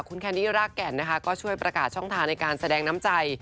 คุณแคนดี้รากแก่นนะคะก็ช่วยประกาศช่องทางในการแสดงน้ำใจ